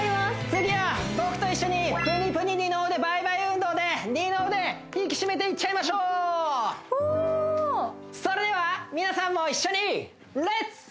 次は僕と一緒にプニプニ二の腕バイバイ運動で二の腕引き締めていっちゃいましょうオーそれでは皆さんも一緒にレッツ！